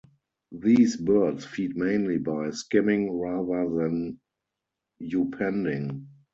These birds feed mainly by skimming rather than upending.